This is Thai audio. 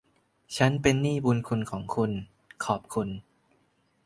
ฉันเป็นหนี้บุณคุณของคุณ ขอบคุณ